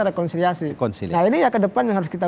rekonsiliasi nah ini ya ke depan yang harus kita